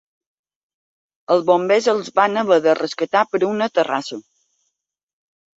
Els bombers els van haver de rescatar per una terrassa.